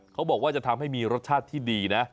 เขาบอกว่าจะทำให้มีรสชาติที่ดีนะ